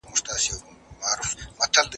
کارکوونکي راپور چمتو کوي.